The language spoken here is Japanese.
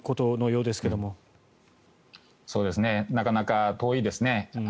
そうですねなかなか遠いですね。